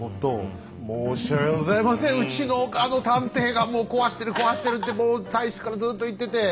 申し訳ございませんうちのあの探偵がもう壊してる壊してるってもう最初からずっと言ってて。